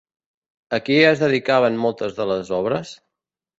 A qui es dedicaven moltes de les obres?